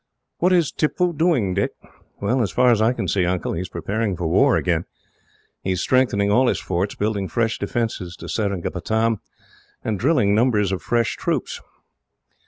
"What is Tippoo doing, Dick?" "Well, as far as I can see, Uncle, he is preparing for war again. He is strengthening all his forts, building fresh defences to Seringapatam, and drilling numbers of fresh troops."